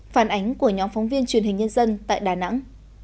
phản ánh của nhóm phóng viên truyền hình nhân dân tại đà nẵng